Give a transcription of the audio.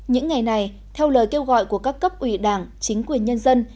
những ngày này theo lời kêu gọi của các cấp ủy đảng chính quyền nhân dân